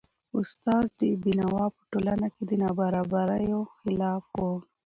استاد بینوا په ټولنه کي د نابرابریو خلاف و .